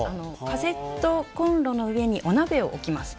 カセットコンロの上にお鍋を置きます。